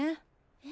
え？